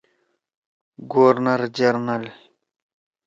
گورنرجنرل